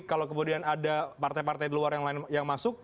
kalau kemudian ada partai partai luar yang masuk